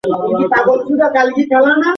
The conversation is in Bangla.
যা নারী অধিকার আইনের বিরুদ্ধে বৈষম্যমূলক।